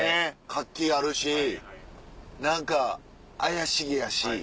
活気あるし何か怪しげやし。